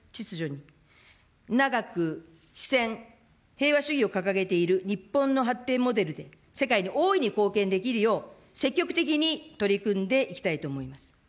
このような新しい国際秩序に長くしせん、平和主義を掲げている日本の発展モデルで世界に大いに貢献できるよう、積極的に取り組んでいきたいと思います。